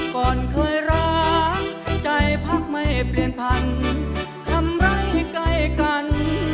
ก่อนเคยรักใจพักไม่เปลี่ยนพันทำไร่ใกล้กัน